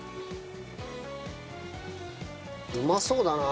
うまそうだな。